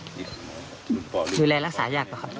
ดูแลรักษายากป่ะครับ